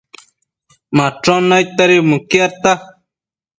Machon naidtedi mëquiadta